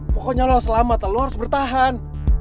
pokoknya lu harus selamat lu harus bertahan